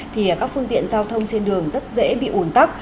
thì các phương tiện giao thông trên đường rất dễ bị ủn tắc